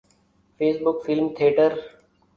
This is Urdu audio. face book film theatre